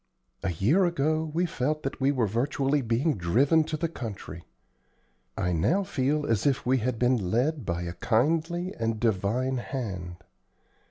A year ago we felt that we were virtually being driven to the country. I now feel as if we had been led by a kindly and divine hand."